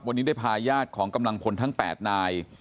วันนี้ได้พาญาติของกำลังพลทั้ง๘นาย